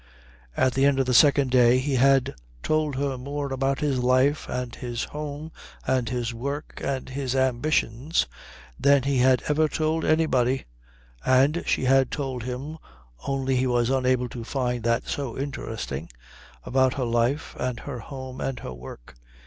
By the end of the second day he had told her more about his life and his home and his work and his ambitions than he had ever told anybody, and she had told him, only he was unable to find that so interesting, about her life and her home and her work.